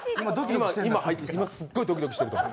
今、すっごいドキドキしてるから。